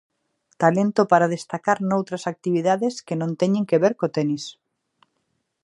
Talento para destacar noutras actividades que non teñen que ver co tenis.